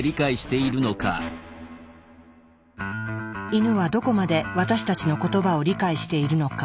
イヌはどこまで私たちの言葉を理解しているのか。